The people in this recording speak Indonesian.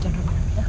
jangan lupa ya